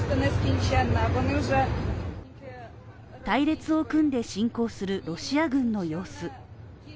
隊列を組んで侵攻するロシア軍の様子。